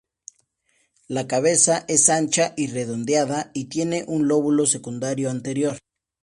La cabeza es ancha y redondeada, y tiene un lóbulo secundario anterior.